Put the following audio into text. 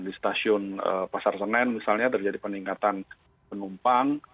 di stasiun pasar senen misalnya terjadi peningkatan penumpang